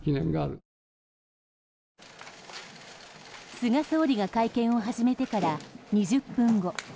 菅総理が会見を始めてから２０分後。